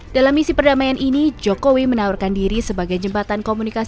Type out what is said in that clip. dalam misi perdamaian ini jokowi menawarkan diri sebagai jembatan komunikasi